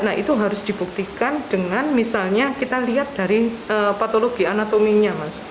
nah itu harus dibuktikan dengan misalnya kita lihat dari patologi anatominya mas